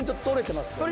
取れてます？